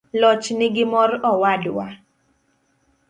loch nigi morowadwa